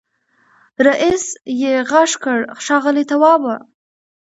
رئيسې غږ کړ ښاغلی توابه.